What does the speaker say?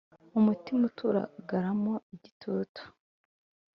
Umutima uturagaramo igitutu.